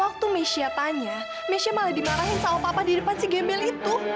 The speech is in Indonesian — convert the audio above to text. waktu mesya tanya mesya malah dimarahin sama papa di depan si gembel itu